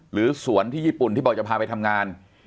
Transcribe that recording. หรือสวนที่ญี่ปุ่นที่บอกจะพาไปทำงาน